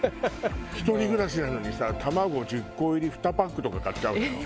一人暮らしなのにさ卵１０個入りを２パックとか買っちゃうのよ。